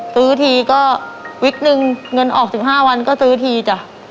ทีก็วิกนึงเงินออก๑๕วันก็ซื้อทีจ้ะ